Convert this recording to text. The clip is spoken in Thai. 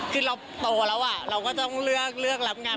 คือเราโตแล้วเราก็ต้องเลือกรับงาน